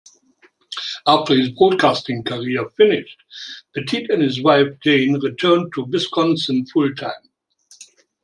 After his broadcasting career finished, Pettit and his wife Jane returned to Wisconsin full-time.